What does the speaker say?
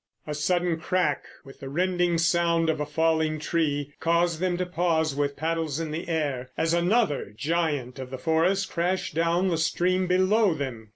A sudden crack with the rending sound of a falling tree caused them to pause with paddles in the air, as another giant of the forest crashed down the stream below them.